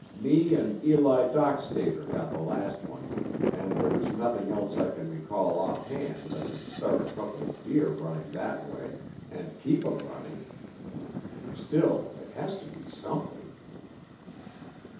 Me and Eli Dockstader got the last one, and there's nothing else I can recall offhand that could start a couple of deer running that way and keep 'em running. Still, it has to be something."